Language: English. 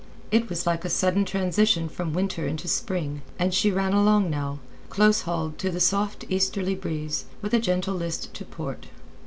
It was like a sudden transition from winter into spring, and she ran along now, close hauled to the soft easterly breeze, with a gentle list to port.